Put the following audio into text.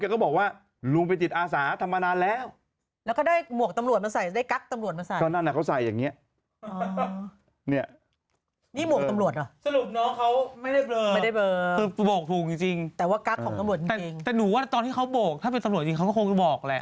เหมือนอยู่ตอนที่เขาโบกถ้าเป็นตำรวจจริงเขาคงจะบอกแหละ